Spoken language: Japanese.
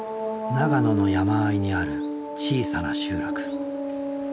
長野の山あいにある小さな集落。